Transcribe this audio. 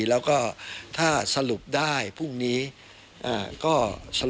แล้วก็ถ้าสรุปได้พรุ่งนี้ก็สรุป